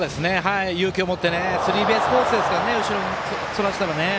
勇気を持ってスリーベースコースですからね後ろにそらしたら。